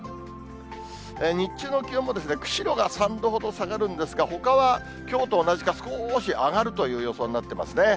日中の気温も釧路が３度ほど下がるんですが、ほかはきょうと同じかすこーし上がるという予想になってますね。